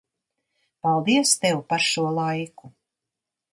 Paldies Tev, par šo laiku.